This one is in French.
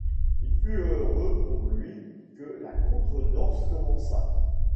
Il fut heureux pour lui que la contredanse commençât.